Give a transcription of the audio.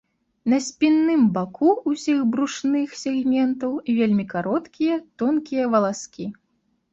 На спінным баку ўсіх брушных сегментаў вельмі кароткія, тонкія валаскі.